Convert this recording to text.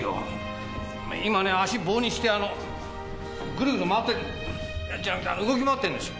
足棒にしてグルグル回ってじゃなくて動き回ってんです。